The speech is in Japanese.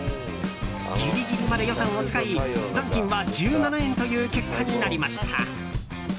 ギリギリまで予算を使い残金は１７円という結果になりました。